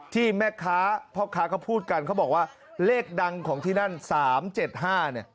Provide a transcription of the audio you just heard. ที่แม่ค้าพ่อค้าเขาพูดกันเขาบอกว่าเลขดังของที่นั่น๓๗๕เนี่ย